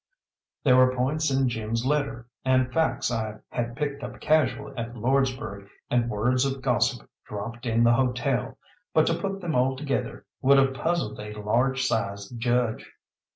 There were points in Jim's letter, and facts I had picked up casual at Lordsburgh, and words of gossip dropped in the hotel; but to put them all together would have puzzled a large sized judge.